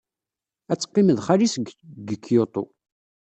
Ad teqqim ed xali-s deg Kyoto.